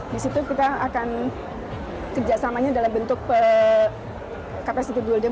di situ kita akan kerjasamanya dalam bentuk capacity building